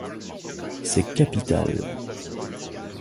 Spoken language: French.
C'est capital.